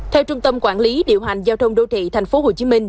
theo trung tâm quản lý điều hành giao thông đô thị tp hcm